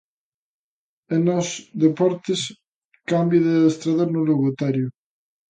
E nos deportes, cambio de adestrador no Lugo, Terio.